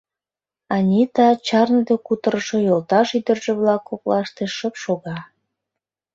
Анита чарныде кутырышо йолташ ӱдыржӧ-влак коклаште шып шога.